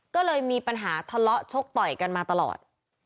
ก็เลยมีปัญหาทะเลาะชกต่อยกันมาตลอด